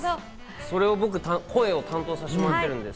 それ僕、声を担当させてもらってるんです。